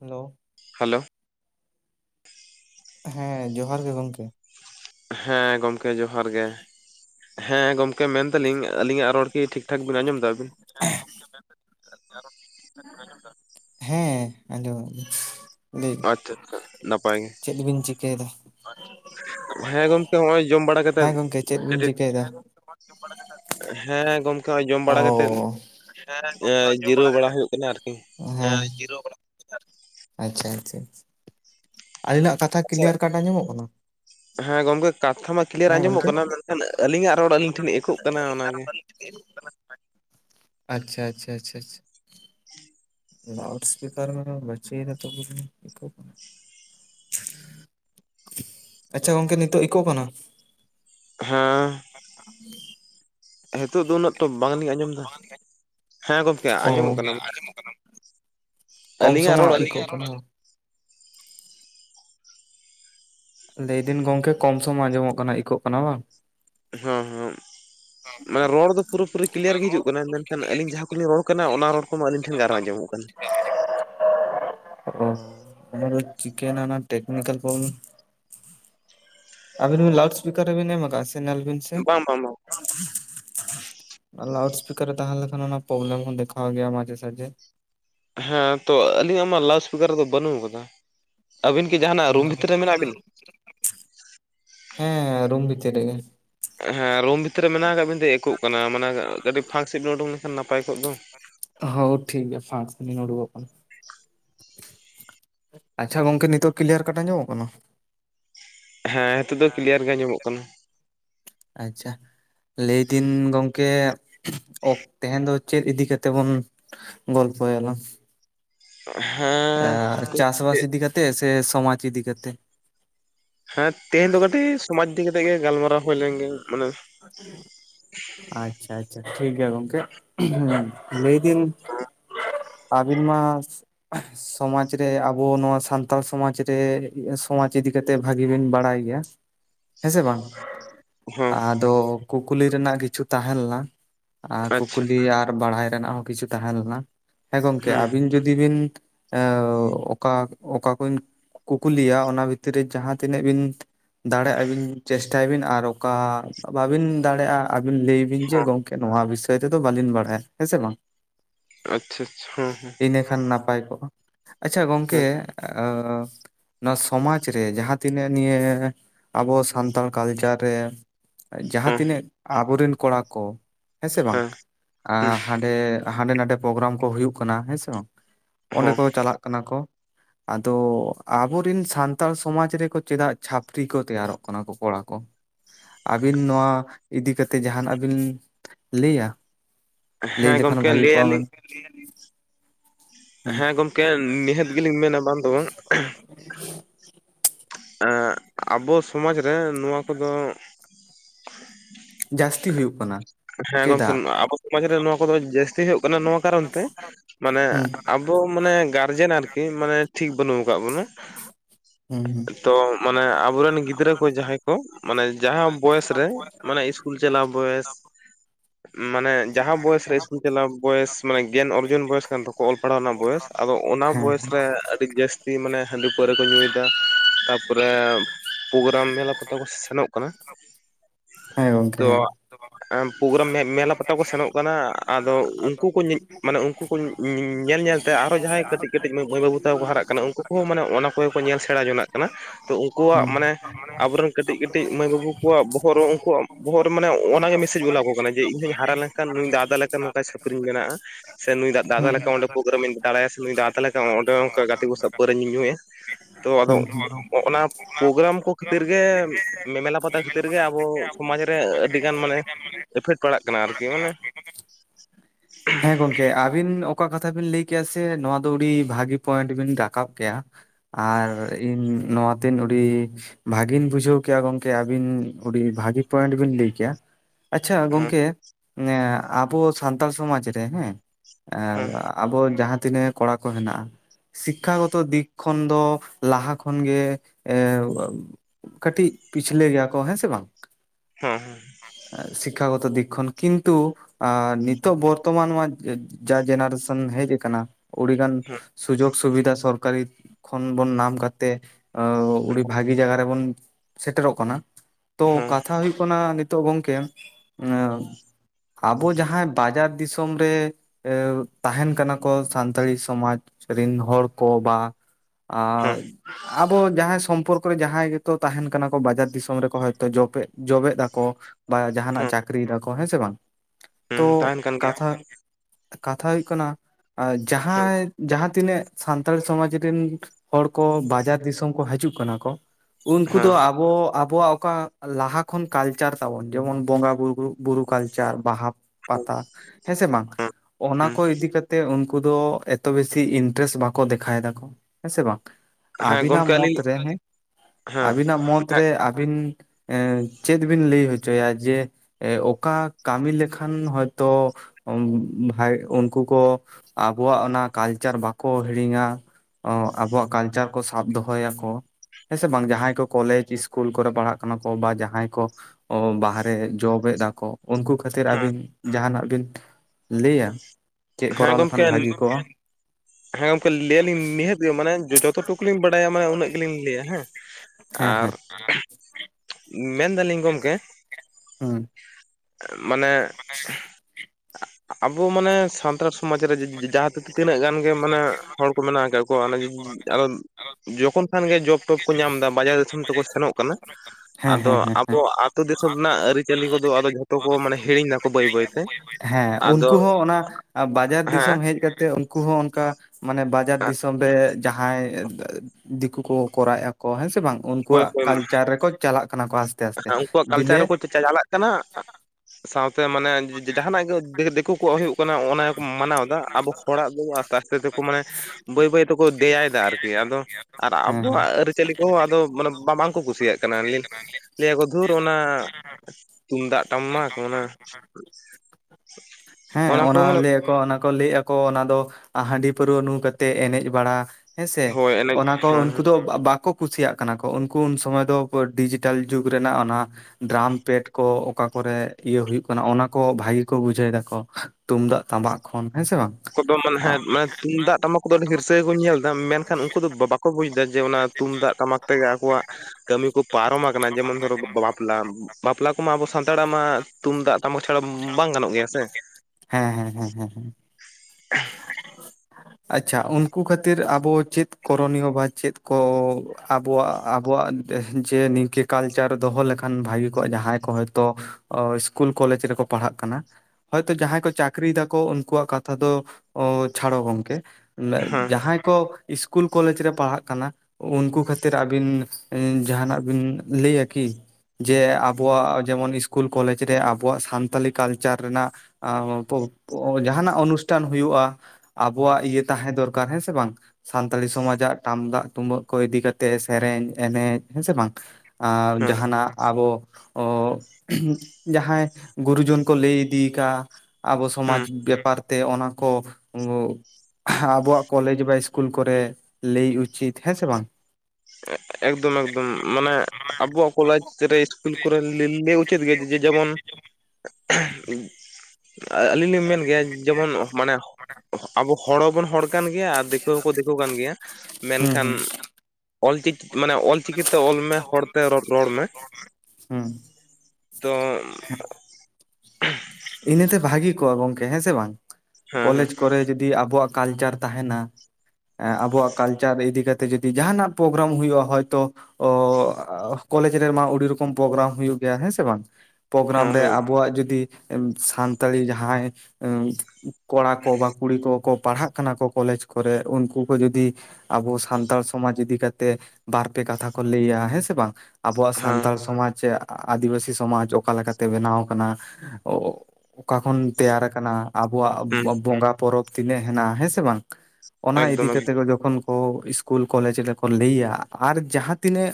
Hello. Hello ᱦᱮᱸᱻ ᱡᱚᱦᱟᱨ ᱜᱮ ᱜᱚᱢᱠᱮ᱾ ᱦᱮᱸ ᱜᱚᱢᱠᱮ ᱡᱚᱦᱟᱨ ᱜᱮ᱾ ᱦᱮᱸ ᱜᱚᱢᱠᱮ ᱢᱮᱱᱫᱟᱞᱤᱧ ᱟᱹᱞᱤᱧᱟᱜ ᱨᱚᱲ ᱠᱤ ᱴᱷᱤᱠ ᱴᱷᱟᱠ ᱵᱤᱱ ᱟᱡᱚᱢ ᱮᱫᱟᱵᱤᱱ? [unintelligible] ᱦᱮᱸᱻ ᱟᱸᱡᱚᱢᱮᱜ ᱫᱩᱧ᱾ ᱟᱪᱪᱷᱟᱼ ᱟᱪᱪᱷᱟ ᱱᱟᱯᱟᱭ ᱜᱮ᱾ ᱵᱤᱱ ᱪᱤᱠᱟᱹᱭᱮᱫᱟ ᱦᱮᱸ ᱜᱚᱢᱼᱼ ᱦᱚᱸᱜ-ᱚᱭ ᱡᱚᱢ ᱵᱟᱲᱟ ᱠᱟᱛᱮᱫ ᱦᱮᱸ ᱜᱚᱝᱠᱮ ᱪᱮᱫ ᱵᱤᱱ ᱠᱟᱹᱴᱤᱡ ᱪᱤᱠᱟᱹᱭᱮᱫᱟ ᱦᱮᱸᱻ ᱜᱚᱢᱠᱮ ᱦᱚᱸᱜᱼᱚᱭ ᱡᱚᱢ ᱚ ᱵᱟᱲᱟ ᱠᱟᱛᱮᱫ ᱮᱸ ᱡᱤᱨᱟᱹᱣ ᱵᱟᱲᱟ ᱦᱩᱭᱩᱜ ᱠᱟᱱᱟ ᱟᱨᱠᱤ ᱾ ᱦᱮᱸ ᱡᱤᱨᱟᱹᱣ ᱵᱟᱲᱟ ᱠᱚᱛᱮ ᱟᱨᱠᱤ ᱾ ᱟᱪᱪᱷᱟᱼ ᱟᱪᱪᱷᱟ ᱟᱹᱞᱤᱱᱟᱜ ᱠᱟᱛᱷᱟ ᱟᱪᱪᱷᱟ ᱠᱞᱤᱭᱟᱨ ᱠᱟᱴ ᱟᱸᱡᱢᱚᱜ ᱠᱟᱱᱟ? ᱦᱮᱸ ᱜᱚᱢᱠᱮ ᱠᱟᱛᱷᱟ ᱢᱟ ᱠᱞᱤᱭᱟᱨ ᱦᱮᱸ ᱟᱸᱡᱚᱢᱚᱜ ᱜᱚᱝᱠᱮ ᱠᱟᱱᱟ ᱢᱮᱱᱠᱷᱟᱱ ᱟᱹᱞᱤᱧᱟᱜ ᱨᱚᱲ ᱟᱞᱤᱧ ᱴᱷᱮᱱ ᱮᱹᱠᱚᱜ ᱠᱟᱱᱟ ᱚᱱᱟᱜᱮ᱾ ᱪᱮᱜ ᱱᱩᱜ ᱠᱟᱱᱟ? ᱟᱪᱪᱷᱟ ᱟᱪᱪᱷᱟ ᱟᱪᱪᱷᱟ ᱪᱷᱟ ᱞᱟᱩᱰᱥᱯᱤᱠᱟᱨ ᱢᱟ ᱵᱟᱪᱩᱭᱟᱫᱟ ᱛᱚ ᱟᱪᱪᱷᱟ ᱜᱚᱝᱠᱮ ᱱᱤᱛᱚᱜ ᱤᱠᱳᱜᱚᱜ ᱠᱟᱱᱟ? ᱦᱟᱸᱻ ᱦᱮᱸᱛᱳᱜ ᱫᱚ ᱩᱱᱟᱹᱜ ᱛᱚ ᱵᱟᱝᱞᱤᱧ ᱟᱸᱡᱚᱢ ᱮᱫᱟ᱾ ᱦᱮᱸ ᱜᱚᱢᱼ ᱛᱮ ᱚ ᱟᱸᱡᱚᱢᱚᱜ ᱠᱟᱱᱟ ᱚᱠᱟ ᱟᱹᱞᱤᱧᱟᱜ ᱨᱚᱲ ᱟᱞᱤᱧᱼ ᱦ [unintelligible] ᱞᱟᱹᱭᱫᱤᱱ ᱜᱚᱝᱚᱢᱠᱮ ᱠᱚᱢ ᱥᱚᱢ ᱟᱸᱡᱚᱢᱚᱜ ᱠᱟᱱᱟ ᱤᱠᱳᱜ ᱠᱟᱱᱟ ᱵᱟᱝ? ᱦᱚᱸ ᱦᱚᱸ᱾ ᱱᱟ ᱨᱚᱲ ᱫᱚ ᱯᱩᱨᱟᱹ ᱯᱩᱨᱤ ᱠᱞᱤᱭᱟᱨ ᱜᱮ ᱦᱤᱡᱩᱜ ᱠᱟᱱᱟ ᱢᱮᱱᱠᱷᱟᱱ ᱟᱹᱞᱤᱧ ᱡᱟᱦᱟᱸ ᱠᱚᱞᱤᱧ ᱨᱚᱲ ᱠᱟᱱᱟ ᱚᱱᱟ ᱨᱚᱲ ᱠᱚᱢᱟ ᱟᱹᱞᱤᱧ ᱴᱷᱮᱱ ᱜᱮ ᱟᱨᱦᱚᱸ ᱟᱸᱡᱚᱢᱚᱜ ᱠᱟᱱᱟ᱾ ᱪᱤᱠ ᱴᱠ [unintelligible] ᱟᱵᱤᱱ ᱵᱤᱱ ᱞᱟᱣᱩᱰᱥ ᱥᱯᱤᱠᱟᱨ ᱨᱮᱵᱤᱱ ᱮᱢ ᱟᱠᱟᱟᱜ-ᱟ ᱥᱮ ᱱᱮᱞ ᱵᱤᱱ ᱥᱮ᱾ ᱵᱟᱝ ᱵᱟᱝ ᱵᱟᱝ ᱞᱟᱣᱩᱰᱥ ᱥᱯᱤᱠᱟᱨᱮ ᱛᱟᱸᱦᱮ ᱞᱮᱠᱷᱟᱱ ᱚᱱᱟ ᱯᱨᱚᱵᱞᱮᱢ ᱦᱚᱸ ᱫᱮᱷᱟᱣᱟ ᱜᱮᱭᱟ ᱢᱟᱡᱷᱮ ᱥᱟᱡᱷᱮ᱾ ᱦᱮᱸ ᱛᱚ ᱟᱹᱞᱤᱧᱟᱜ ᱢᱟ ᱞᱟᱣᱩᱥ ᱯᱤᱠᱟᱨᱮᱫᱚ ᱵᱟᱹᱱᱩᱜ ᱟᱠᱟᱫᱟ, ᱟᱵᱤᱱ ᱠᱤ ᱡᱟᱦᱟᱸᱱᱟᱜ ᱨᱩᱢ ᱵᱷᱤᱛᱨᱤ ᱨᱮ ᱢᱮᱱᱟᱜ ᱵᱤᱱᱟ? ᱦᱮᱸ ᱨᱩᱢ ᱵᱷᱤᱛᱤᱨ ᱨᱮ ᱜᱮ᱾ ᱦᱮᱸ ᱨᱩᱢ ᱵᱷᱤᱛᱨᱤ ᱨᱮ ᱢᱮᱱᱟᱜᱱᱟ ᱟᱠᱟᱫ ᱵᱤᱱ ᱛᱮ ᱤᱠᱚᱜ ᱠᱟᱱᱟ ᱢᱟᱱᱮ ᱠᱟᱹᱴᱤᱡ ᱯᱷᱟᱸᱠ ᱥᱮᱫ ᱵᱮᱱ ᱩᱰᱩᱠ ᱞᱮᱱᱠᱷᱟᱱ ᱱᱟᱯᱟᱭ ᱠᱚ ᱫᱚ᱾ ᱦᱚ ᱴᱷᱤᱠ ᱜᱮᱭᱟ [unintelligible] [unintelligible] ᱱᱚᱰᱩ ᱠᱟᱱᱟ᱾ ᱟᱪᱪᱷᱟ ᱜᱚᱝᱠᱮ ᱱᱤᱛᱚᱜ ᱠᱞᱤᱭᱟᱨ ᱠᱟᱴ ᱟᱸᱡᱚᱢᱚᱜ ᱠᱟᱱᱟ? ᱦᱮᱸ ᱱᱤᱛᱚᱜ ᱫᱚ ᱠᱞᱤᱭᱟᱨ ᱜᱮ ᱟᱸᱡᱚᱢᱚᱜ ᱠᱟᱱᱟ᱾ ᱟᱪᱪᱷᱟ ᱞᱟᱹᱭᱫᱟᱧ ᱜᱚᱝᱠᱮ ᱚᱠ ᱛᱮᱦᱮᱧ ᱫᱚ ᱪᱮᱫ ᱤᱫᱤ ᱠᱟᱛᱮ ᱵᱚᱱ ᱜᱚᱞᱯᱚ ᱭᱟᱞᱟᱝ? ᱦᱮᱸ ᱮ ᱪᱟᱥ-ᱵᱟᱥ ᱤᱫᱤ ᱠᱟᱛᱮᱜ ᱥᱮ ᱥᱚᱢᱟᱡ ᱤᱫᱤ ᱠᱟᱛᱮᱜ? ᱦᱮᱸ, ᱛᱮᱦᱮᱧ ᱫᱚ ᱠᱟᱹᱴᱤᱡ ᱥᱚᱢᱟᱡ ᱤᱫᱤ ᱠᱟᱛᱮᱜ ᱜᱮ ᱜᱟᱞᱢᱟᱨᱟᱣ ᱦᱩᱭ ᱞᱮᱱ ᱜᱮ ᱢᱟᱱᱮ᱾ ᱟᱪᱪᱷᱟ ᱟᱪᱪᱷᱟ ᱴᱷᱤᱠᱜᱮᱭᱟ ᱜᱚᱝᱠᱮ᱾ ᱦᱩᱸ ᱞᱟᱹᱭ ᱠᱤᱱ ᱟᱹᱵᱤᱱ ᱢᱟᱥ ᱥᱚᱢᱟᱡᱽ ᱨᱮ ᱟᱵᱚ ᱱᱚᱣᱟ ᱥᱟᱱᱛᱟᱲ ᱥᱚᱢᱟᱡᱽ ᱨᱮ ᱥᱚᱢᱟᱡᱽ ᱤᱫᱤ ᱠᱟᱛ ᱛᱮ ᱵᱷᱟᱹᱜᱤ ᱵᱤᱱ ᱵᱟᱲᱟᱭ ᱜᱮᱭᱟ᱾ ᱦᱮᱸ ᱥᱮ ᱵᱟᱝ? ᱦᱚᱸ ᱟᱫᱚ ᱠᱩᱠᱞᱤ ᱨᱮᱱᱟᱜ ᱠᱤᱪᱷᱩ ᱛᱟᱦᱮᱸ ᱞᱮᱱᱟ᱾ ᱟᱨ ᱟᱪᱪᱷᱟ ᱠᱩᱠᱞᱤ ᱟᱨ ᱵᱟᱲᱟᱭ ᱨᱮᱱᱟᱜ ᱦᱚᱸ ᱠᱤᱪᱷᱩ ᱛᱟᱦᱮᱸᱞᱮᱱᱟ, ᱦᱮᱸ ᱜᱚᱝᱠᱮ ᱦᱩᱸ ᱟᱹᱵᱤᱱ ᱡᱚᱫᱤ ᱵᱤᱱ ᱮ ᱚᱠᱟ ᱚᱠᱟ ᱠᱚᱵᱤᱱ ᱠᱩᱠᱩᱞᱤᱭᱟ ᱚᱱᱟ ᱵᱷᱤᱛᱨᱤ ᱨᱮ ᱡᱟᱦᱟᱸ ᱛᱤᱱᱟᱹᱜ ᱵᱤᱱ ᱫᱟᱲᱮᱭᱟᱜᱼᱟ ᱵᱤᱱ ᱪᱮᱥᱴᱟᱭ ᱵᱤᱱ ᱟᱨ ᱚᱠᱟ ᱵᱟᱵᱤᱱ ᱫᱟᱲᱮᱭᱟᱜᱼᱟ ᱟᱹᱵᱤᱱ ᱞᱟᱹᱭ ᱵᱤᱱ ᱡᱮ ᱜᱚᱝᱠᱮ ᱱᱚᱣᱟ ᱵᱤᱥᱚᱭ ᱛᱮᱫᱚ ᱵᱟᱞᱤᱧ ᱵᱟᱲᱟᱭᱟ᱾ ᱦᱮᱸ ᱥᱮ ᱵᱟᱝ? [inaudible] ᱟᱪᱪᱷᱟ ᱟᱪᱪᱷᱟ ᱦᱚᱸ ᱤᱱᱟᱹᱠᱷᱟᱱ ᱱᱟᱯᱟᱭ ᱠᱚᱜᱼᱟ᱾ ᱟᱪᱪᱷᱟ ᱜᱚᱝᱠᱮ ᱦᱚᱸ ᱱᱚᱣᱟ ᱥᱚᱢᱟᱡᱽ ᱨᱮ, ᱡᱟᱦᱟᱸ ᱛᱤᱱᱟᱹᱜ ᱱᱤᱭᱟᱹ ᱟᱵᱚ ᱥᱟᱱᱛᱟᱲ ᱠᱟᱞᱪᱟᱨ ᱨᱮ ᱡᱟᱦᱟᱸ ᱦᱚᱸ ᱛᱤᱱᱟᱹᱜ ᱟᱵᱚᱨᱮᱱ ᱠᱚᱲᱟ ᱠᱚ ᱦᱮᱸ ᱥᱮ ᱵᱟᱝ? ᱟ ᱦᱩᱸ ᱦᱟᱸᱰᱮ ᱦᱟᱸᱰᱮ ᱱᱟᱰᱮ ᱯᱨᱳᱜᱨᱟᱢ ᱠᱚ ᱦᱩᱭᱩᱜ ᱠᱟᱱᱟ᱾ ᱦᱮᱸ ᱥᱮ ᱵᱟᱝ? ᱚᱸᱰᱮ ᱦᱚᱸ ᱠᱚ ᱪᱟᱞᱟᱜ ᱠᱟᱱᱟ ᱠᱚ᱾ ᱟᱫᱚ ᱟᱵᱚᱨᱮᱱ ᱥᱟᱱᱛᱟᱲ ᱥᱚᱢᱟᱡᱽ ᱨᱮᱠᱚ ᱪᱮᱫᱟᱜ ᱪᱷᱟᱹᱯᱨᱤ ᱠᱚ ᱛᱮᱭᱟᱨᱚᱜ ᱠᱟᱱᱟ ᱠᱚ ᱠᱚᱲᱟ ᱠᱚ᱾ ᱟᱹᱵᱤᱱ ᱱᱚᱣᱟ ᱤᱫᱤ ᱠᱟᱛᱮ ᱡᱟᱦᱱᱟᱜ ᱵᱤᱱ ᱞᱟᱹᱭᱟ? ᱞᱟᱹᱭ ᱦᱮᱸ ᱞᱮᱠᱷᱟᱱ ᱜᱚᱢᱠᱮ ᱵᱷᱟᱜᱤ ᱞᱟᱹᱭ ᱠᱚᱜᱣᱟ ᱢᱮᱱ᱾ ᱟᱞᱤᱧ ᱦᱩᱸ ᱦᱮᱸ ᱜᱚᱝᱠᱮ ᱱᱤᱦᱟᱹᱛ ᱜᱮᱞᱤᱧ ᱢᱮᱱᱟ ᱵᱟᱝ ᱫᱚ ᱵᱟᱝ᱾ [inaudible] [unintelligible] ᱟᱵᱚ ᱥᱚᱢᱟᱡᱽ ᱨᱮ ᱱᱚᱣᱟ ᱠᱚᱫᱚ ᱡᱟᱹᱥᱛᱤ ᱦᱩᱭᱩᱜ ᱠᱟᱱᱟ᱾ ᱦᱮᱸ ᱜᱚᱝᱠᱮ ᱪᱮᱫᱟᱜ ᱟᱵᱚ ᱥᱚᱢᱟᱡ ᱨᱮ ᱱᱚᱣᱟ ᱠᱚᱫᱚ ᱡᱟᱹᱥᱛᱤ ᱦᱩᱭᱩᱜ ᱠᱟᱱᱟ ᱱᱚᱣᱟ ᱠᱟᱨᱚᱱ ᱛᱮ ᱢᱟᱱᱮ ᱦᱩᱸ ᱟᱵᱚ ᱢᱟᱱᱮ ᱜᱟᱨᱡᱮᱱ ᱟᱨᱠᱤ ᱢᱟᱱᱮ ᱴᱷᱤᱠ ᱵᱟᱱᱩᱜ ᱟᱠᱟᱫ ᱵᱚᱱᱟ᱾ ᱦᱩᱸ ᱦᱩᱸ ᱛᱚ ᱢᱟᱱᱮ ᱟᱵᱚᱨᱮᱱ ᱜᱤᱫᱽᱨᱟᱹ ᱠᱚ ᱡᱟᱦᱟᱸᱭ ᱠᱚ, ᱢᱟᱱᱮ ᱡᱟᱦᱟᱸ ᱵᱚᱭᱮᱥ ᱨᱮ ᱢᱟᱱᱮ ᱩᱥ ᱤᱥᱠᱩᱞ ᱪᱞᱟᱣ ᱵᱚᱭᱮᱥ, ᱢᱟᱱᱮ ᱡᱟᱦᱟᱸ ᱵᱚᱭᱮᱥᱨᱮ ᱤᱥᱠᱩᱞ ᱪᱟᱞᱟᱣ ᱵᱚᱭᱮᱥ ᱢᱟᱱᱮ ᱜᱮᱭᱟᱱ ᱚᱨᱡᱚᱱ ᱵᱚᱭᱮᱥ ᱠᱟᱱ ᱛᱟᱠᱚᱣᱟ ᱚᱞ ᱯᱟᱲᱦᱟᱣ ᱨᱮᱱᱟᱜ ᱵᱚᱭᱮᱥ ᱾ ᱟᱫᱚ ᱚᱱᱟ ᱦᱮᱸ ᱵᱚᱭᱮᱥ ᱨᱮ ᱟᱹᱰᱤ ᱡᱟᱹᱥᱛᱤ ᱢᱟᱱᱮ ᱦᱟᱺᱰᱤ ᱯᱟᱹᱣᱨᱟᱹ ᱠᱚ ᱧᱩᱭᱮᱫᱟ ᱾ ᱛᱟᱨᱯᱚᱨᱮ ᱯᱨᱳᱜᱨᱟᱢ ᱢᱮᱞᱟ ᱯᱟᱛᱟ ᱠᱚ ᱥᱮᱱᱚᱜ ᱠᱟᱱᱟ ᱾ ᱦᱮᱸ ᱜᱚᱝᱠᱮ ᱦᱮᱸ ᱾ ᱯᱨᱳᱜᱨᱟᱢ ᱢᱮᱞᱟ ᱯᱟᱛᱟ ᱠᱚ ᱥᱮᱱᱚᱜ ᱠᱟᱱᱟ ᱟᱫᱚ ᱩᱱᱠᱩ ᱠᱚ ᱢᱟᱱᱮ ᱩᱱᱠᱩ ᱠᱚ ᱧᱮᱞ ᱧᱮᱞᱛᱮ ᱟᱨᱦᱚ ᱡᱟᱦᱟᱸᱭ ᱠᱟᱹᱴᱤᱡ ᱠᱟᱹᱴᱤᱡ ᱢᱟᱹᱭ ᱵᱟᱹᱵᱩ ᱛᱟᱠᱚ ᱦᱟᱨᱟᱜ ᱠᱟᱱᱟ ᱩᱱᱠᱩ ᱠᱚᱦᱚᱸ ᱢᱟᱱᱮ ᱚᱱᱟ ᱠᱚᱜᱮ ᱠᱚ ᱧᱮᱞ ᱥᱮᱬᱟ ᱡᱚᱱᱟᱜ ᱠᱟᱱᱟ ᱾ ᱠᱟᱱᱟ ᱛᱚ ᱩᱱᱠᱩᱣᱟᱜ ᱦᱩᱸ ᱢᱟᱱᱮ ᱟᱵᱚᱨᱮᱱ ᱠᱟᱹᱴᱤᱡ ᱠᱟᱹᱴᱤᱡ ᱢᱟᱹᱭ ᱵᱟᱹᱵᱩ ᱠᱚᱣᱟᱜ ᱵᱚᱦᱚᱜ ᱨᱮ ᱩᱱᱠᱩᱣᱟᱜ, ᱵᱚᱦᱟᱜ ᱨᱮ ᱢᱟᱱᱮ ᱚᱱᱟᱜᱮ ᱱᱤ ᱢᱮᱥᱮᱧ ᱚᱞᱟ ᱠᱟᱱᱟ ᱡᱮ ᱤᱧᱦᱚᱧ ᱦᱟᱨᱟ ᱞᱮᱱᱠᱷᱟᱱ ᱱᱩᱭ ᱫᱟᱫᱟ ᱞᱮᱠᱟ ᱱᱚᱝᱠᱟ ᱥᱟᱹᱠᱨᱤᱧ ᱢᱮᱱᱟᱜᱼᱟ ᱥᱮ ᱱᱩᱭ ᱦᱩᱸ ᱫᱟᱫᱟ ᱞᱮᱠᱟ ᱚᱸᱰᱮ ᱯᱨᱳᱜᱨᱟᱢᱤ ᱫᱟᱲᱟᱭᱟ ᱥᱮ ᱫᱟ ᱛᱟᱞᱮ ᱚᱸᱰᱮ ᱚᱱᱠᱟ ᱜᱟᱛᱮ ᱠᱚ ᱥᱟᱜ ᱯᱟᱹᱨᱟᱹ ᱧᱩᱭᱟ ᱾ ᱛᱚ ᱟᱫᱚ ᱦᱩᱸ ᱚᱱᱟ ᱯᱨᱳᱜᱨᱟᱢ ᱠᱚ ᱠᱷᱟᱹᱛᱤᱨ ᱜᱮ ᱢᱮᱢᱞᱟ ᱯᱟᱛᱟ ᱠᱷᱟᱹᱛᱤᱨ ᱜᱮ ᱟᱵᱚ ᱥᱚᱢᱟᱡᱽ ᱨᱮ ᱟᱹᱰᱤᱜᱟᱱ ᱢᱟᱱᱮ ᱤᱯᱷᱮᱠᱴ ᱯᱟᱲᱟᱜ ᱠᱟᱱᱟ ᱟᱨᱠᱤ ᱢᱟᱱᱮ ᱦᱮᱸ ᱜᱚᱝᱠᱮ ᱟᱹᱵᱤᱱ ᱚᱠᱟ ᱠᱟᱛᱷᱟ ᱵᱤᱱ ᱞᱟᱹᱭ ᱠᱮᱜᱼᱟ ᱥᱮ ᱱᱚᱣᱟ ᱫᱚ ᱟᱹᱰᱤ ᱵᱷᱟᱹᱜᱤ ᱯᱚᱭᱮᱱᱴ ᱵᱤᱱ ᱨᱟᱠᱟᱵ ᱠᱮᱭᱟ ᱾ ᱟᱨ ᱤᱧ ᱱᱚᱣᱟ ᱛᱤᱱ ᱩᱰᱤ ᱵᱷᱟᱹᱜᱤᱧ ᱵᱩᱡᱷᱟᱹᱣ ᱠᱮᱭᱟ ᱜᱚᱝᱠᱮ ᱟᱹᱵᱤᱱ ᱟᱹᱰᱤ ᱵᱷᱟᱹᱜᱤ ᱯᱚᱭᱮᱱᱴ ᱵᱤᱱ ᱞᱟᱹᱭ ᱠᱮᱭᱟ, ᱟᱪᱪᱷᱟ ᱦᱮᱸ ᱜᱚᱝᱠᱮ ᱮᱸ ᱟᱵᱚ ᱥᱟᱱᱛᱟᱲ ᱥᱚᱢᱟᱡᱽ ᱨᱮ ᱦᱮᱸ ᱦᱮᱸ ᱟᱵᱚ ᱡᱟᱦᱟᱸ ᱛᱤᱱᱟᱹᱜ ᱠᱚᱲᱟ ᱠᱚ ᱦᱮᱸᱱᱟᱜᱼᱟ, ᱥᱤᱠᱠᱷᱟ ᱜᱚᱛᱚ ᱫᱤᱠ ᱠᱷᱚᱱ ᱫᱚ ᱞᱟᱦᱟ ᱠᱷᱚᱱᱜᱮ ᱮᱸ ᱠᱟᱹᱴᱤᱡ ᱯᱤᱪᱷᱞᱟᱹ ᱜᱮᱭᱟ ᱠᱚ ᱦᱮᱸ ᱥᱮ ᱵᱟᱝ? ᱦᱚᱸ ᱦᱚᱸ᱾ ᱥᱤᱠᱠᱷᱟ ᱜᱚᱛᱚ ᱫᱤᱠ ᱠᱷᱚᱱ ᱠᱤᱱᱛᱩ ᱟ ᱱᱤᱛᱚᱜ ᱵᱚᱨᱛᱚᱢᱟᱱ ᱱᱚᱣᱟ ᱡᱟ ᱡᱮᱱᱟᱨᱮᱥᱚᱱ ᱦᱮᱡ ᱠᱟᱱᱟ ᱚᱹᱰᱤᱜᱟᱱ ᱦᱮᱸ ᱥᱩᱡᱳᱜᱽ ᱥᱩᱵᱤᱫᱷᱟ ᱥᱚᱨᱠᱟᱨᱤ ᱠᱷᱚᱱ ᱵᱚᱱ ᱧᱟᱢ ᱠᱟᱛᱮ ᱟᱹᱰᱤ ᱵᱷᱟᱜᱤ ᱡᱟᱭᱜᱟ ᱨᱮᱵᱚᱱ ᱥᱮᱴᱮᱨᱚᱜ ᱠᱟᱱᱟ ᱛᱚ ᱦᱮᱸ ᱦᱩᱭᱩᱜ ᱠᱟᱱᱟ ᱱᱤᱛᱚᱜ ᱜᱚᱝᱠᱮ ᱮᱸ ᱟᱵᱚ ᱡᱟᱦᱟᱸᱭ ᱵᱟᱡᱟᱨ ᱫᱤᱥᱚᱢ ᱨᱮ, ᱮ ᱛᱟᱦᱮᱸᱱ ᱠᱟᱱᱟ ᱠᱚ ᱥᱟᱱᱛᱟᱲᱤ ᱥᱚᱢᱟᱡᱽ ᱨᱤᱱ ᱦᱚᱲ ᱠᱚ ᱵᱟ ᱟ ᱦᱮᱸ ᱟᱵᱚ ᱡᱟᱦᱟᱸᱭ ᱥᱚᱢᱯᱚᱨᱠᱚᱨᱮ ᱡᱟᱦᱟᱸᱭ ᱜᱮᱠᱚ ᱛᱟᱦᱮᱸᱱ ᱠᱟᱱᱟ ᱠᱚ ᱵᱟᱡᱟᱨ ᱫᱤᱥᱚᱢ ᱨᱮᱠᱚ ᱦᱚᱭᱛᱚ ᱡᱚᱯᱮᱫ ᱡᱚᱵᱮᱫ ᱫᱟᱠᱚ ᱵᱟ ᱡᱟᱦᱟᱸᱱᱟᱜ ᱦᱮᱸ ᱪᱟᱹᱠᱨᱤᱭ ᱫᱟᱠᱚ ᱦᱮᱸ ᱥᱮ ᱵᱟᱝ, ᱦᱮᱸ ᱛᱚ ᱛᱟᱦᱮᱱ ᱠᱟᱱ ᱜᱮᱭᱟ ᱠᱟᱛᱷᱟ ᱠᱟᱛᱷᱟ ᱦᱩᱭᱩᱜ ᱠᱟᱱᱟ ᱡᱟᱦᱟᱸᱭ ᱡᱟᱦᱟᱸ ᱛᱤᱱᱟᱹᱜ ᱥᱟᱱᱛᱟᱲ ᱥᱚᱢᱟᱡᱽ ᱨᱮᱱ ᱦᱚᱲ ᱠᱚ ᱵᱟᱡᱟᱨ ᱫᱤᱥᱚᱢ ᱠᱚ ᱦᱤᱡᱩᱜ ᱠᱟᱱᱟ ᱠᱚ, ᱩᱱᱠᱩ ᱫᱚ ᱦᱮᱸ ᱟᱵᱚ ᱟᱵᱚᱣᱟᱜ ᱚᱠᱟ ᱞᱟᱦᱟᱜ ᱮᱠᱷᱚᱱ ᱠᱟᱞᱪᱟᱨ ᱛᱟᱵᱚᱱ ᱡᱮᱢᱚᱱ ᱵᱚᱸᱜᱟᱼᱵᱩᱨᱩ ᱵᱩᱨᱩ ᱠᱟᱞᱪᱟᱨ ᱵᱟᱦᱟ ᱯᱟᱛᱟ ᱦᱮᱸ ᱥᱮ ᱵᱟᱝ ᱦᱮᱸ ᱚᱱᱟ ᱦᱮᱸ ᱠᱚ ᱤᱫᱤ ᱠᱟ ᱛᱮ ᱩᱱᱠᱩ ᱫᱚ ᱮᱛᱚ ᱵᱮᱥᱤ ᱤᱱᱴᱟᱨᱮᱥᱴ ᱵᱟᱠᱚ ᱫᱮᱠᱷᱟᱭ ᱫᱟᱠᱚ ᱦᱮᱸ ᱥᱮ ᱵᱟᱝ? ᱦᱮᱸ ᱟᱹᱵᱤᱱᱟᱜ ᱜᱚᱢᱠᱮ ᱟᱹᱞᱤᱧ ᱢᱚᱛᱨᱮ ᱦᱮᱸ ᱦᱮᱸ ᱟᱹᱵᱤᱱᱟᱜ ᱢᱚᱛᱨᱮ ᱟᱹᱵᱤᱱ ᱮᱸ ᱪᱮᱫ ᱵᱤᱱ ᱞᱟᱹᱭ ᱦᱚᱪᱚᱭᱟ ᱡᱮ ᱚᱠᱟ ᱠᱟᱹᱢᱤ ᱞᱮᱠᱷᱟᱱ ᱦᱚᱭᱛᱳ [inaudible] ᱩᱱᱠᱩ ᱠᱚ ᱟᱵᱚᱣᱟᱜ ᱚᱱᱟ ᱠᱟᱞᱪᱟᱨ ᱵᱟᱠᱚ ᱦᱤᱲᱤᱧᱟ᱾ ᱚ ᱟᱵᱚᱣᱟᱜ ᱠᱟᱞᱪᱟᱨ ᱠᱚ ᱥᱟᱵ ᱫᱚᱦᱚᱭᱟᱠᱚ ᱾ ᱦᱮᱸ ᱥᱮ ᱵᱟᱝ ᱡᱟᱦᱟᱸᱭ ᱠᱚ ᱠᱚᱞᱮᱡᱽ ᱤᱥᱠᱩᱞ ᱠᱚᱨᱮ ᱯᱟᱲᱦᱟᱜ ᱠᱟᱱᱟ ᱠᱚ ᱵᱟ ᱡᱟᱦᱟᱸᱭ ᱠᱚ ᱵᱟᱦᱨᱮ ᱡᱚᱵᱮᱫᱟᱠᱚ ᱩᱱᱠᱩ ᱠᱷᱟᱹᱛᱤᱨ ᱟᱹᱵᱤᱱ ᱡᱟᱦᱟᱸᱱᱟᱜ ᱵᱤᱱ ᱞᱟᱹᱭᱟ ᱪᱮᱫ ᱦᱮᱸ ᱠᱚᱨᱟᱣ ᱞᱮᱠᱷᱟᱱ ᱜᱚᱢᱠᱮ ᱵᱷᱟᱹᱜᱤ ᱠᱚᱜᱼᱟ? ᱦᱮᱸ ᱜᱚᱢᱠᱮ ᱞᱟᱹᱭᱟᱞᱤᱧ ᱱᱤᱦᱟᱹᱛ ᱢᱟᱱᱮ ᱠᱚ ᱡᱚᱛ ᱴᱩᱠᱩ ᱞᱤᱧ ᱵᱟᱲᱟᱭᱟ ᱢᱟᱱᱮ ᱩᱱᱟᱹᱜ ᱜᱮᱞᱤᱧ ᱞᱟᱹᱭᱟ ᱦᱮᱸ? ᱦᱮᱸ ᱟᱨ ᱦᱮᱸ ᱾ ᱢᱮᱱᱫᱟᱞᱤᱧ ᱜᱚᱝᱠᱮ ᱦᱩᱸ᱾ ᱢᱟᱱᱮ ᱢᱟᱱᱮ ᱟᱵᱚ ᱢᱟᱱᱮ ᱥᱟᱱᱛᱟᱲ ᱥᱚᱢᱟᱡᱽ ᱨᱮ ᱡᱟ ᱡᱟᱦᱟᱸ ᱛᱤᱱᱟᱹᱜ ᱜᱟᱱ ᱜᱮ ᱢᱟᱱᱮ ᱦᱚᱲ ᱠᱚ ᱢᱮᱱᱟᱜ ᱠᱟᱜ ᱠᱚᱣᱟ ᱡᱚᱠᱷᱚᱱ ᱠᱷᱟᱱ ᱜᱮ ᱡᱚᱵ ᱴᱚᱵ ᱠᱚ ᱧᱟᱢ ᱫᱟ ᱵᱟᱡᱟᱨ ᱫᱤᱥᱚᱢ ᱛᱮᱠᱚ ᱥᱮᱱᱚᱜ ᱠᱟᱱᱟ, ᱦᱮᱸ ᱟᱫᱚ ᱦᱮᱸ ᱦᱮᱸ ᱦᱮᱸ ᱟᱵᱚᱣᱟᱜ ᱟᱛᱳ ᱫᱤᱥᱚᱢ ᱨᱮᱱᱟᱜ ᱟᱹᱨᱤᱪᱟᱹᱞᱤ ᱠᱚᱫᱚ ᱟᱫᱚ ᱡᱷᱚᱛᱚ ᱠᱚ ᱜᱷᱟᱨᱚᱸᱡᱽ ᱢᱟᱱᱮ ᱦᱤᱲᱤᱧ ᱫᱟᱠᱚ ᱵᱟᱹᱭ ᱵᱟᱹᱭᱛᱮ, ᱦᱮᱸ ᱟᱫᱚ ᱩᱱᱠᱩ ᱦᱚᱸ ᱚᱱᱟ ᱵᱟᱡᱟᱨ ᱦᱮᱸ ᱫᱤᱥᱚᱢ ᱦᱮᱡ ᱠᱟᱛᱮ ᱩᱱᱠᱩ ᱦᱚᱸ ᱚᱝᱠᱟ ᱢᱟᱱᱮ ᱵᱟᱡᱟᱨ ᱫᱤᱥᱚᱢ ᱨᱮ ᱡᱟᱦᱟᱸᱭ ᱫᱤᱠᱩ ᱠᱚ ᱠᱚᱨᱟᱣᱮ-ᱟᱠᱚ ᱦᱮᱸ ᱥᱮ ᱵᱟᱝ? ᱚᱠᱚᱭ ᱩᱱᱠᱩᱣᱟᱜ ᱚᱠᱚᱭ ᱠᱟᱞᱪᱟᱨ ᱨᱮᱠᱚ ᱪᱟᱞᱟᱜ ᱠᱟᱱᱟ ᱠᱚ ᱟᱥᱛᱮ ᱟᱥᱛᱮ ᱩᱱᱠᱩᱣᱟᱜ ᱠᱟᱞᱪᱟᱨ ᱫᱤᱞᱮ ᱨᱮᱠᱚ ᱪᱟᱞᱟᱜ ᱠᱟᱱᱟ ᱥᱟᱶᱛᱮ ᱢᱟᱱᱮ ᱡᱟᱦᱟᱱᱟᱜ ᱜᱮ ᱫᱤᱠᱩ ᱠᱚᱣᱟᱜ ᱦᱩᱭᱩᱜ ᱚᱱᱟ ᱜᱮᱠᱚ ᱢᱟᱱᱟᱣ ᱮᱫᱟ ᱟᱵᱚ ᱦᱚᱲᱟᱜ ᱫᱚ ᱟᱫ-ᱟ ᱾ ᱛᱮᱠᱚ ᱢᱟᱱᱮ ᱵᱟᱹᱭ ᱵᱟᱹᱭ ᱛᱮᱠᱚ ᱫᱮᱭᱟᱭᱮᱫᱟ ᱟᱨᱠᱤ ᱟᱫᱚ ᱟᱨ ᱦᱮᱸ ᱦᱮᱸ ᱟᱵᱚᱣᱟᱜ ᱟᱹᱨᱤᱪᱟᱹᱞᱤ ᱠᱚᱦᱚᱸ ᱟᱫᱚ ᱢᱟᱱᱮ ᱵᱟᱝᱠᱚ ᱠᱩᱥᱤᱭᱟᱜ ᱠᱟᱱᱟ ᱞᱟᱹᱭᱟ ᱠᱚ ᱫᱷᱩᱨ ᱚᱱᱟ ᱛᱩᱢᱫᱟᱜ ᱴᱟᱢᱟᱠ ᱚᱱᱟ ᱦᱮᱸ ᱠᱚ ᱚᱱᱟ ᱢᱟᱱᱮ ᱞᱟᱹᱭ ᱚᱱᱟ ᱠᱚ ᱞᱟᱹᱭᱮ ᱟᱠᱚ ᱚᱱᱟ ᱫᱚ ᱦᱟᱹᱰᱤ ᱯᱟᱹᱨᱣᱟᱹ ᱱᱩ ᱠᱟᱛᱮᱫ ᱮᱱᱮᱡ ᱵᱟᱲᱟ ᱦᱮᱸ ᱥᱮ ᱦᱳᱭ ᱮᱱᱮᱡ ᱚᱱᱟ ᱠᱚ ᱦᱮᱸ ᱩᱱᱠᱩ ᱫᱚ ᱵᱟᱠᱚ ᱠᱩᱥᱤᱭᱟᱜ ᱠᱟᱱᱟ ᱠᱚ ᱩᱱᱠᱩ ᱩᱱ ᱥᱚᱢᱚᱭ ᱫᱚ ᱰᱤᱡᱤᱴᱟᱞ ᱡᱩᱜ ᱨᱮᱱᱟᱜ ᱚᱱᱟ ᱰᱮᱨᱟᱢ ᱯᱮᱴ ᱠᱚ ᱚᱠᱟ ᱠᱚᱨᱮ ᱤᱭᱟᱹ ᱦᱩᱭᱩᱜ ᱠᱟᱱᱟ ᱚᱱᱟ ᱠᱚ ᱵᱷᱟᱹᱜᱤ ᱠᱚ ᱵᱩᱡᱷᱟᱹᱣ ᱫᱟᱠᱚ᱾ ᱛᱩᱢᱫᱟᱜ ᱛᱟᱵᱟᱜ ᱠᱷᱚᱱ ᱦᱮᱸ ᱥᱮ ᱵᱟᱝ? [unintelligible] ᱛᱩᱢᱫᱟᱜ ᱴᱟᱢᱟᱠ ᱠᱚᱫᱚ ᱟᱹᱰᱤ ᱦᱤᱨᱥᱟᱹ ᱜᱮ ᱠᱚ ᱧᱮᱞ ᱫᱟ ᱢᱮᱱᱠᱷᱟᱱ ᱩᱱᱠᱩ ᱫᱚ ᱵᱟᱠᱚ ᱵᱩᱡ ᱫᱟ ᱡᱮ ᱚᱱᱟ ᱛᱩᱢᱫᱟᱜ ᱴᱟᱢᱟᱠ ᱛᱮᱜᱮ ᱟᱠᱚᱣᱟᱜ ᱠᱟᱹᱢᱤ ᱠᱚ ᱯᱟᱨᱚᱢ ᱠᱟᱱᱟ ᱡᱮᱢᱚᱱ ᱫᱷᱚᱨᱚ ᱵᱟᱯᱞᱟ᱾ ᱵᱟᱯᱞᱟ ᱠᱚᱢᱟ ᱟᱵᱚ ᱥᱟᱱᱛᱟᱲᱟᱜ ᱢᱟ ᱛᱩᱢᱫᱟᱜ ᱴᱟᱢᱟᱠ ᱪᱷᱟᱲᱟ ᱵᱟᱝ ᱜᱟᱱᱚᱜ ᱜᱮᱭᱟ ᱥᱮ? ᱦᱮᱸ ᱦᱮᱸ ᱦᱮᱸ ᱦᱮᱸ ᱦᱮᱸ ᱾ [unintelligible] ᱟᱪᱪᱷᱟ ᱩᱱᱠᱩ ᱠᱷᱟᱹᱛᱤᱨ ᱟᱵᱚ ᱪᱮᱫ ᱠᱚᱨᱚᱱᱤᱭᱚ ᱵᱟ ᱪᱮᱫ ᱠᱚ ᱟᱵᱚᱣᱟᱜ ᱟᱵᱩᱣᱟᱜ ᱡᱮ ᱱᱤᱝᱠᱟᱹ ᱠᱟᱞᱪᱟᱨ ᱫᱚᱦᱚ ᱞᱮᱠᱷᱟᱱ ᱵᱷᱟᱜᱤ ᱠᱚᱜ-ᱟ ᱡᱟᱦᱟᱸᱭ ᱠᱚ ᱦᱚᱭᱛᱳ ᱚ ᱤᱥᱠᱩᱞ ᱠᱚᱞᱮᱡ ᱨᱮᱠᱚ ᱯᱟᱲᱦᱟᱜ ᱠᱟᱱᱟ ᱦᱚᱭᱛᱳ ᱡᱟᱦᱟᱸᱭ ᱠᱚ ᱪᱟᱹᱠᱨᱤᱭ ᱫᱟ ᱠᱚ ᱩᱱᱠᱩᱣᱟᱜ ᱠᱟᱛᱷᱟ ᱫᱚ ᱪᱷᱟᱲᱚ ᱜᱚᱝᱠᱮ ᱦᱮᱸ ᱡᱟᱦᱟᱸᱭ ᱠᱚ ᱤᱥᱠᱩᱞ ᱠᱚᱞᱮᱡ ᱨᱮ ᱯᱟᱲᱦᱟᱜ ᱠᱟᱱᱟ, ᱩᱱᱠᱩ ᱠᱷᱟᱹᱛᱤᱨ ᱟᱹᱵᱤᱱ ᱡᱟᱦᱟᱸᱱᱟᱜ ᱵᱤᱱ ᱞᱟᱹᱭᱟ ᱠᱤ? ᱡᱮ ᱟᱵᱚᱣᱟᱜ ᱡᱮᱢᱚᱱ ᱤᱥᱠᱩᱞ ᱠᱚᱞᱮᱡ ᱨᱮ ᱟᱵᱚᱣᱟᱜ ᱥᱟᱱᱛᱟᱞᱤ ᱠᱟᱞᱪᱟᱨ ᱨᱮᱱᱟᱜ [unintelligible] ᱡᱟᱦᱟᱱᱟᱜ ᱚᱱᱩᱥᱴᱷᱟᱱ ᱦᱩᱭᱩᱜ-ᱟ ᱟᱵᱚᱣᱟᱜ ᱤᱭᱟᱹ ᱛᱟᱦᱮᱸ ᱫᱚᱨᱠᱟᱨ ᱦᱮᱸ ᱥᱮ ᱵᱟᱝ? ᱥᱟᱱᱛᱟᱞᱤ ᱥᱚᱢᱟᱡᱟᱜ ᱴᱟᱢᱟᱜ ᱛᱩᱢᱟᱹᱜ ᱠᱚ ᱤᱫᱤ ᱠᱟᱛᱮᱜ ᱥᱮᱨᱮᱧ ᱮᱱᱮᱡ ᱦᱮᱸᱥᱮ ᱵᱟᱝ᱾ ᱟᱨ ᱦᱮᱸ ᱡᱟᱦᱟᱱᱟᱜ ᱟᱵᱚ ᱚ ᱡᱟᱦᱟᱸᱭ ᱜᱩᱨᱩᱡᱚᱱ ᱠᱚ ᱞᱟᱹᱭ ᱤᱫᱤ ᱠᱟᱜ-ᱟ ᱟᱵᱚ ᱦᱮᱸ ᱥᱚᱢᱟᱡ ᱵᱮᱯᱟᱨ ᱛᱮ ᱚᱱᱟ ᱠᱚ ᱟᱵᱚᱣᱟᱜ ᱠᱚᱞᱮᱡ ᱵᱟ ᱤᱥᱠᱩᱞ ᱠᱚᱨᱮ ᱞᱟᱹᱭ ᱩᱪᱤᱛ ᱦᱮᱸᱥᱮ ᱵᱟᱝ᱾ ᱮᱠᱫᱚᱢ ᱮᱠᱫᱚᱢ ᱢᱟᱱᱮ ᱟᱵᱚᱣᱟᱜ ᱠᱚᱞᱮᱡ ᱨᱮ ᱤᱥᱠᱩᱞ ᱠᱚᱨᱮ ᱞᱟᱹᱭ [unintelligible] ᱩᱪᱤᱛ ᱜᱮ ᱡᱮᱢᱚᱱ ᱟᱹᱞᱤᱧ ᱞᱤᱧ ᱢᱮᱱᱜᱮᱭᱟ ᱡᱮᱢᱚᱱ ᱢᱟᱱᱮ ᱟᱵᱚ ᱦᱚᱲ ᱦᱚᱵᱚᱱ ᱦᱚᱲ ᱠᱟᱱ ᱜᱮᱭᱟ ᱟᱨ ᱫᱤᱠᱩ ᱦᱚᱸᱠᱚ ᱫᱤᱠᱩ ᱠᱟᱱ ᱜᱮᱭᱟ ᱦᱩᱸ ᱢᱮᱱᱠᱷᱟᱱ ᱦᱩᱸ ᱚᱞ ᱪᱤᱠᱤ ᱢᱟᱱᱮ ᱚᱞᱪᱤᱠᱤᱛᱮ ᱚᱞ ᱢᱮ ᱦᱚᱲᱛᱮ ᱨᱚᱲ ᱢᱮ᱾ ᱦᱩᱸ ᱛᱚ ᱤᱱᱟᱹᱛᱮ ᱵᱷᱟᱜᱤ ᱠᱚᱜ-ᱟ ᱜᱚᱝᱠᱮ ᱦᱮᱸ ᱥᱮ ᱵᱟᱝ ᱦᱮᱸ ᱦᱮᱸ ᱠᱚᱞᱮᱡ ᱠᱚᱨᱮ ᱡᱩᱫᱤ ᱟᱵᱚᱣᱟᱜ ᱠᱟᱞᱪᱟᱨ ᱛᱟᱦᱮᱱᱟ ᱾ ᱟᱵᱚᱣᱟᱜ ᱠᱟᱞᱪᱟᱨ ᱤᱫᱤ ᱠᱟᱛᱮᱜ ᱡᱩᱫᱤ ᱡᱟᱦᱟᱱᱟᱜ ᱯᱨᱳᱜᱨᱟᱢ ᱦᱩᱭᱩᱜ-ᱟ ᱦᱚᱭᱛᱚ ᱚ ᱠᱚᱞᱮᱡ ᱨᱮᱢᱟ ᱟᱹᱰᱤ ᱨᱚᱠᱚᱢ ᱯᱨᱳᱜᱨᱟᱢ ᱦᱩᱭᱩᱜ ᱜᱮᱭᱟ ᱦᱮᱸ ᱥᱮ ᱵᱟᱝ? ᱯᱨᱳᱜᱨᱟᱢ ᱦᱮᱸ ᱨᱮ ᱦᱩᱭᱩᱜ ᱟᱵᱚᱣᱟᱜ ᱡᱩᱫᱤ ᱥᱟᱱᱛᱟᱲᱤ ᱡᱟᱦᱟᱸᱭ ᱠᱚᱲᱟ ᱠᱚ ᱵᱟ ᱠᱩᱲᱤ ᱠᱚᱠᱚ ᱯᱟᱲᱦᱟᱜ ᱠᱟᱱᱟ ᱠᱚ ᱠᱚᱞᱮᱡ ᱠᱚᱨᱮᱜ ᱩᱱᱠᱩ ᱠᱚ ᱡᱚᱫᱤ ᱟᱵᱚ ᱥᱟᱱᱛᱟᱲ ᱥᱚᱢᱟᱡ ᱤᱫᱤ ᱠᱟᱛᱮ ᱵᱟᱨᱯᱮ ᱠᱟᱛᱷᱟ ᱠᱩ ᱞᱟᱹᱭᱟ ᱦᱮᱸ ᱥᱮ ᱵᱟᱝ ᱾ ᱟᱵᱩᱣᱟᱜ ᱦᱮᱸ ᱥᱟᱱᱛᱟᱲ ᱥᱚᱢᱟᱡ ᱥᱮ ᱟᱫᱤᱵᱟᱥᱤ ᱥᱚᱢᱟᱡ ᱚᱠᱟ ᱞᱮᱠᱟᱛᱮ ᱵᱮᱱᱟᱣ ᱠᱟᱱᱟ ᱚᱸ ᱚᱠᱟ ᱠᱷᱚᱱ ᱛᱮᱭᱟᱨᱟ ᱟᱠᱟᱱᱟ ᱟᱵᱩᱣᱟᱜ ᱦᱩᱸ ᱵᱚᱸ ᱵᱚᱸᱜᱟ ᱯᱚᱨᱚᱵ ᱛᱤᱱᱟᱹᱜ ᱦᱮᱱᱟᱜ-ᱟ ᱦᱮᱸᱥᱮ ᱵᱟᱝ᱾ ᱚᱱᱟ ᱤᱫᱤ ᱮᱠᱫᱚᱢ ᱮᱠ ᱠᱟᱛᱮ ᱠᱚ ᱡᱚᱠᱷᱚᱱ ᱠᱚ ᱤᱥᱠᱩᱞ ᱠᱚᱞᱮᱡᱽ ᱞᱮᱠᱚ ᱞᱟᱹᱭᱟ ᱟᱨ ᱡᱟᱦᱟᱸ ᱛᱤᱱᱟᱹᱜ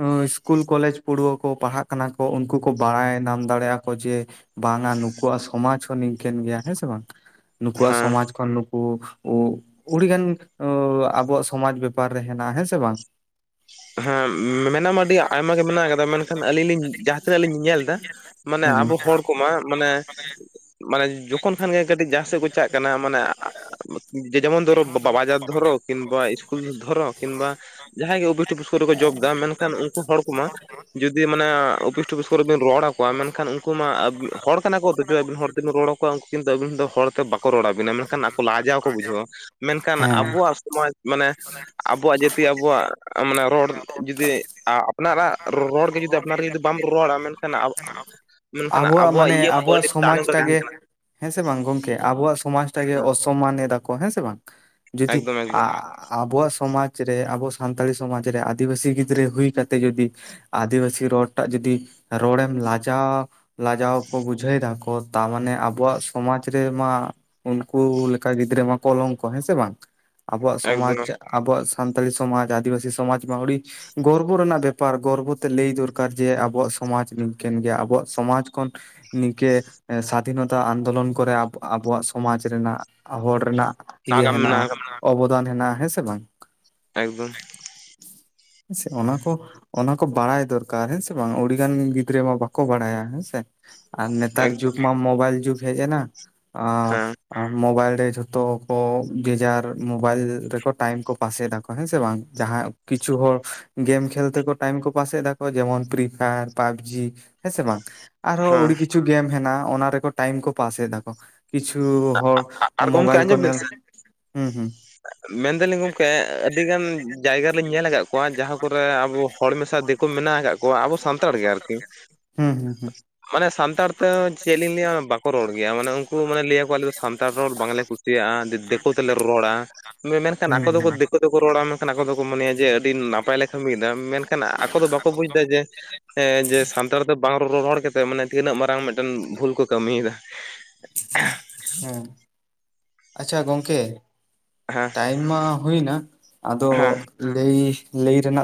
ᱩᱸ ᱤᱥᱠᱩᱞ ᱠᱚᱞᱮᱡᱽ ᱯᱟᱹᱲᱩᱣᱟᱹ ᱠᱚ ᱯᱟᱲᱦᱟᱜ ᱠᱟᱱᱟ ᱠᱚ ᱩᱝᱠᱩ ᱠᱚ ᱵᱟᱲᱟᱭ ᱱᱟᱢ ᱫᱟᱲᱮᱭᱟᱜ ᱟᱠᱚ ᱡᱮ ᱵᱟᱝᱼᱟ ᱱᱩᱠᱩᱣᱟᱜ ᱥᱚᱢᱟᱡᱽ ᱦᱚᱸ ᱱᱤᱝᱠᱟᱹᱱ ᱜᱮᱭᱟ ᱦᱮᱸ ᱥᱮ ᱵᱟᱝ, ᱱᱩᱠᱩᱣᱟᱜ ᱦᱮᱸ ᱥᱚᱢᱟᱡ ᱠᱷᱚᱱ ᱱᱩᱠᱩ ᱩ ᱩᱲᱤ ᱜᱟᱱ ᱟᱸ ᱟᱵᱚᱣᱟᱜ ᱥᱚᱢᱟᱡᱽ ᱵᱮᱯᱟᱨ ᱨᱮ ᱦᱮᱱᱟᱜᱼᱟ ᱦᱮᱸ ᱥᱮ ᱵᱟᱝ? [unintelligible] ᱦᱮᱸ ᱢᱮᱱᱟᱢᱟ ᱟᱹᱰᱤ ᱟᱭᱢᱟ ᱜᱮ ᱢᱮᱱᱟᱜ ᱠᱟᱫᱟ ᱢᱮᱱᱠᱷᱟᱱ ᱟᱹᱞᱤᱧ ᱞᱤᱧ ᱡᱟᱦᱟᱸ ᱛᱤᱱᱟᱹᱜ ᱞᱤᱧ ᱧᱮᱞ ᱫᱟ ᱢᱟᱱᱮ ᱦᱩᱸ ᱟᱵᱚ ᱦᱚᱲ ᱠᱚᱢᱟ ᱢᱟᱱᱮ, ᱢᱟᱱᱮ ᱡᱚᱠᱷᱚᱱ ᱠᱷᱟᱱ ᱜᱮ ᱠᱟᱹᱴᱤᱡ ᱡᱟᱦᱟᱸ ᱥᱮᱫ ᱠᱚ ᱪᱟᱜ ᱠᱟᱱᱟ ᱢᱟᱱᱮ ᱟ ᱡᱮ-ᱡᱮᱢᱚᱱ ᱫᱷᱚᱨᱚ ᱵᱟ-ᱵᱟᱡᱟᱨ ᱫᱷᱚᱨᱚ ᱠᱤᱱᱵᱟ ᱤᱥᱠᱩᱞ ᱫᱷᱚᱨᱚ ᱠᱤᱱᱵᱟ ᱡᱟᱦᱟᱸᱭ ᱜᱮ ᱥᱩ ᱨᱮ ᱠᱚ ᱡᱚᱵ ᱫᱟ ᱢᱮᱱ ᱠᱷᱟᱱ ᱩᱝᱠᱩ ᱦᱚᱲ ᱠᱚᱢᱟ ᱡᱩᱫᱤ ᱢᱟᱱᱮ ᱚᱯᱷᱤᱥ ᱴᱩᱯᱷᱤᱥ ᱠᱚᱨᱮ ᱵᱤᱱ ᱨᱚᱲ ᱠᱚᱣᱟ, ᱢᱮᱱᱠᱷᱟᱱ ᱩᱝᱠᱩ ᱢᱟ ᱦᱚᱲ ᱠᱟᱱᱟ ᱠᱚ ᱚᱛᱷᱚᱪᱚ ᱟᱵᱤᱱ ᱦᱚᱲ ᱛᱮᱵᱤᱱ ᱨᱚᱲᱟ ᱠᱚ ᱠᱩᱣᱟ ᱩᱱ ᱩᱝᱠᱩ ᱠᱤᱱᱛᱩ ᱟᱹᱵᱤᱱ ᱫᱚ ᱦᱚᱲ ᱛᱮ ᱵᱟᱠᱚ ᱨᱚᱲᱟᱤᱱᱟ ᱢᱮᱱ ᱠᱷᱟᱱ ᱟᱠᱩ ᱞᱟᱡᱟᱣ ᱠᱚ ᱵᱩᱡᱷᱟᱹᱣᱟ᱾ ᱢᱮᱱ ᱠᱷᱟᱱ ᱦᱮᱸ ᱟᱵᱚᱣᱟᱜ ᱥᱚᱢᱟᱡᱽ ᱢᱟᱱᱮ ᱟᱵᱚᱣᱟᱜ ᱡᱟᱹᱛᱤ ᱟᱵᱚᱣᱟᱜ ᱢᱟᱱᱮ ᱨᱚᱲ ᱡᱩᱫᱤ ᱟ-ᱟᱯᱱᱟᱨᱟᱜ ᱨᱚᱲ ᱜᱮ ᱡᱩᱫᱤ ᱟᱯᱱᱟᱨ ᱡᱩᱫᱤ ᱵᱟᱢ ᱨᱚᱲᱟ ᱢᱮᱱ ᱠᱷᱟᱱ ᱟ ᱢᱮᱱ ᱠᱷᱟᱱ ᱟᱵᱚᱣᱟᱜ ᱢᱟᱱᱮ ᱤᱭᱟᱹ ᱢᱟᱛᱚ ᱟᱵᱚᱣᱟᱜ ᱟᱹᱰᱤ ᱥᱚᱢᱟᱡᱽ ᱛᱟᱭᱱᱚᱢ ᱨᱮ ᱛᱟᱦᱮᱱ ᱴᱟᱜᱮ ᱠᱟᱱᱟ᱾ ᱦᱮᱸ ᱥᱮ ᱵᱟᱝ ᱜᱚᱝᱠᱮ ᱟᱵᱩᱣᱟᱜ ᱥᱚᱢᱟᱡᱽ ᱴᱟᱜ ᱜᱮ ᱚᱥᱚᱢᱢᱟ ᱮᱫᱟ ᱠᱚ ᱦᱮᱸ ᱥᱮ ᱵᱟᱝ? ᱡᱩᱫᱤ ᱮᱠᱫᱚᱢ ᱟ ᱮᱠᱫᱚᱢ ᱟᱵᱚᱣᱟᱜ ᱥᱚᱢᱟᱡᱽ ᱨᱮ ᱟᱵᱩ ᱥᱟᱱᱛᱟᱲᱤ ᱥᱚᱢᱟᱡᱽ ᱨᱮ ᱟᱫᱤᱵᱟᱥᱤ ᱜᱤᱫᱽᱨᱟᱹ ᱦᱳᱭ ᱠᱟᱛᱮᱜ ᱡᱩᱫᱤ ᱟᱫᱤᱵᱟᱥᱤ ᱨᱚᱲᱴᱟᱜ ᱡᱩᱫᱤ ᱨᱚᱲᱮᱢ ᱞᱟᱡᱟ ᱞᱟᱡᱟᱣ ᱠᱚ ᱵᱩᱡᱷᱟᱹᱣ ᱫᱟᱠᱚ ᱛᱟᱨ ᱢᱟᱱᱮ ᱟᱵᱚᱣᱟᱜ ᱥᱚᱢᱟᱡᱽ ᱨᱮᱢᱟ ᱩᱱᱠᱩ ᱞᱮᱠᱟ ᱜᱤᱫᱽᱨᱟᱹ ᱢᱟ ᱠᱚᱞᱚᱢ ᱠᱚ ᱦᱮᱸ ᱥᱮ ᱵᱟᱝ? ᱟᱵᱚᱣᱟᱜ ᱥᱚᱢᱟᱡᱽ ᱮᱠᱫᱚᱢ ᱟᱵᱚᱣᱟᱜ ᱥᱟᱱᱛᱟᱞᱤ ᱥᱚᱢᱟᱡᱽ, ᱟᱫᱤᱵᱟᱥᱤ ᱥᱚᱢᱟᱡᱽ ᱢᱟ ᱟᱹᱲᱤ ᱜᱚᱨᱵᱚ ᱨᱮᱱᱟᱜ ᱵᱮᱯᱟᱨ ᱜᱚᱨᱵᱚ ᱛᱮ ᱞᱟᱹᱭ ᱫᱚᱨᱠᱟᱨ ᱡᱮ ᱟᱵᱚᱣᱟᱜ ᱥᱚᱢᱟᱡᱽ ᱱᱤᱝ ᱠᱟᱱ ᱜᱮᱭᱟ ᱟᱵᱚᱣᱟᱜ ᱥᱚᱢᱟᱡᱽ ᱠᱷᱚᱱ ᱱᱤᱝᱠᱟᱹ ᱥᱟᱫᱷᱤᱱᱚᱛᱟ ᱟᱱᱫᱳᱞᱚᱱ ᱠᱚᱨᱮ ᱟᱵᱚᱣᱟᱜ ᱥᱚᱢᱟᱡᱽ ᱨᱮᱱᱟᱜ ᱦᱚᱲ ᱨᱮᱱᱟᱜ ᱤᱭᱟᱹ ᱱᱟᱜᱟᱢ ᱦᱮᱱᱟᱜᱼᱟ, ᱢᱮᱱᱟᱜ ᱟᱠᱟᱫᱟ ᱚᱵᱚᱫᱟᱱ ᱦᱮᱱᱟᱜᱼᱟ ᱦᱮᱸ ᱥᱮ ᱵᱟᱝ? ᱮᱠᱫᱚᱢ᱾ ᱥᱮ ᱚᱱᱟ ᱠᱚ ᱚᱱᱟ ᱠᱚ ᱵᱟᱲᱟᱭ ᱫᱚᱨᱠᱟᱨ ᱦᱮᱸ ᱥᱮ ᱵᱟᱝ ᱟᱹᱰᱤᱜᱟᱱ ᱜᱤᱫᱽᱨᱟᱹ ᱢᱟ ᱵᱟᱠᱚ ᱵᱟᱲᱟᱭᱟ ᱦᱮᱸ ᱥᱮ᱾ ᱟᱨ ᱱᱮᱛᱟᱨ ᱮᱠᱫᱚᱢ ᱡᱩᱜᱽ ᱢᱟ ᱢᱚᱵᱟᱭᱤᱞ ᱡᱩᱜᱽ ᱦᱮᱡ ᱱᱟ, ᱦᱮᱸ ᱢᱚᱵᱟᱭᱤᱞ ᱨᱮ ᱡᱷᱚᱛᱚ ᱠᱚ ᱡᱮᱡᱟᱨ ᱢᱳᱵᱟᱭᱤᱞ ᱨᱮ ᱠᱚ ᱴᱟᱭᱤᱢ ᱠᱚ ᱯᱟᱥᱮᱫᱟ ᱠᱚ ᱦᱮᱸ ᱥᱮ ᱵᱟᱝ ᱡᱟᱦᱟᱸ ᱠᱚ ᱠᱤᱪᱷᱩ ᱦᱚᱲ ᱜᱮᱢ ᱠᱷᱮᱞ ᱛᱮᱠᱚ ᱴᱟᱭᱤᱢ ᱠᱚ ᱯᱟᱥᱮᱫᱟ ᱠᱚ ᱡᱮᱢᱚᱱ, ᱯᱨᱤ ᱯᱷᱟᱭᱟᱨ, ᱯᱟᱽᱡᱤ ᱦᱮᱸ ᱥᱮ ᱵᱟᱝ, ᱟᱨᱦᱚᱸ ᱦᱮᱸ ᱟᱹᱰᱤ ᱠᱤᱪᱷᱩ ᱜᱮᱢ ᱦᱮᱱᱟᱜᱼᱟ ᱚᱱᱟ ᱨᱮ ᱠᱚ ᱴᱟᱭᱤᱢ ᱠᱚ ᱯᱟᱥᱮ ᱫᱟᱠᱚ᱾ ᱠᱤᱪᱷᱩ ᱦᱚᱲ ᱟᱨ ᱢᱳᱵᱟᱭᱤᱞ ᱠᱚ ᱱᱮᱞ ᱦᱩᱸ ᱦᱩᱸ᱾ ᱢᱮᱱᱫᱟᱹᱞᱤᱧ ᱜᱚᱝᱠᱮ ᱟᱹᱰᱤ ᱜᱟᱱ ᱡᱟᱭᱜᱟ ᱨᱮᱞᱤᱧ ᱧᱮᱞ ᱠᱟᱜ ᱠᱚᱣᱟ ᱡᱟᱦᱟᱸ ᱠᱚᱨᱮ ᱟᱵᱚ ᱦᱚᱲ ᱢᱮᱥᱟ ᱫᱮᱠᱚ ᱢᱮᱱᱟᱜ ᱟᱠᱟᱜ ᱠᱚᱣᱟ ᱟᱵᱚ ᱥᱟᱱᱛᱟᱲ ᱜᱮ ᱟᱨᱠᱤ᱾ ᱦᱩᱸ ᱦᱩᱸ ᱦᱩᱸ ᱢᱟᱱᱮ ᱥᱟᱱᱛᱟᱲ ᱛᱮ ᱪᱮᱜ ᱞᱤᱧ ᱞᱟᱹᱭᱟ ᱵᱟᱠᱚ ᱨᱚᱲ ᱜᱮᱭᱟ ᱢᱟᱱᱮ ᱩᱱᱠᱩ ᱢᱟᱱᱮ ᱞᱟᱹᱭᱟ ᱟᱞᱮ ᱫᱚ ᱥᱟᱱᱛᱟᱲ ᱨᱚᱲ ᱵᱟᱝᱞᱮ ᱠᱩᱥᱤᱭᱟᱜᱼᱟ ᱫᱤᱠᱩ ᱛᱮ ᱞᱮ ᱨᱚᱲᱟ ᱢᱮᱱᱠᱷᱟᱱ ᱦᱩᱸ ᱟᱠᱚ ᱦᱩᱸ ᱫᱚᱠᱚ ᱦᱮᱸ ᱫᱮᱠᱚ [unintelligible] ᱨᱚᱲᱟ ᱢᱮᱱᱠᱷᱟᱱ ᱟᱠᱚ ᱫᱚᱠᱚ ᱢᱚᱱᱮᱭᱟ ᱡᱮ ᱟᱹᱰᱤ ᱱᱟᱯᱟᱭ ᱞᱮ ᱠᱟᱹᱢᱤᱭᱫᱟ ᱢᱮᱱᱠᱷᱟᱱ ᱟᱠᱚ ᱫᱚ ᱵᱟᱠᱚ ᱵᱩᱡ ᱫᱟ ᱡᱮ ᱦᱮᱸ ᱡᱮ ᱥᱟᱱᱛᱟᱲ ᱫᱚ ᱵᱟᱝ ᱨᱚ-ᱨᱚᱲ ᱠᱟᱛᱮᱜ ᱢᱟᱱᱮ ᱛᱤᱱᱟᱹᱜ ᱢᱟᱨᱟᱝ ᱢᱤᱫᱴᱮᱱ ᱵᱷᱩᱞ ᱠᱚ ᱠᱟᱹᱢᱤ ᱫᱟ᱾ ᱦᱩᱸ, ᱟᱪᱪᱷᱟ ᱜᱚᱝᱠᱮ᱾ ᱦᱮᱸ ᱴᱟᱭᱤᱢ ᱢᱟ ᱦᱳᱭᱱᱟ ᱟᱫᱚ ᱦᱮᱸ ᱞᱟᱹᱭ, ᱞᱟᱹᱭ ᱨᱮᱱᱟᱜ